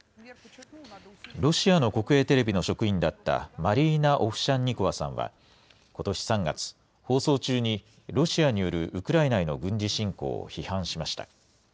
ロシアの国営テレビの職員だったマリーナ・オフシャンニコワさんは、ことし３月、放送中にロシアによるウクライナへの軍事侵攻を批判しました。